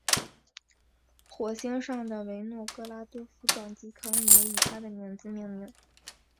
火星上的维诺格拉多夫撞击坑也以他的名字命名。